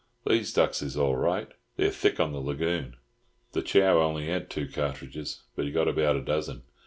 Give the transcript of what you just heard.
"These ducks is all right. They're thick on the lagoon. The Chow only had two cartridges, but he got about a dozen.